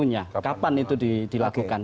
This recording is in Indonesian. waktunya kapan itu dilakukan